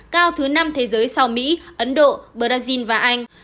cao thứ năm thế giới sau mỹ ấn độ brazil và anh